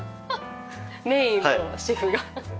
メインのシェフが。